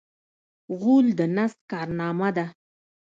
غول د نس کارنامه ده.